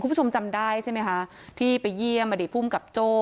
คุณผู้ชมจำได้ใช่ไหมคะที่ไปเยี่ยมอดีตภูมิกับโจ้